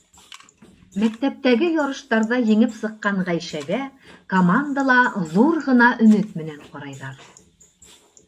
Мәктәптәге ярыштарҙа еңеп сыҡҡан Ғәйшәгә командала ҙур ғына өмөт менән ҡарайҙар.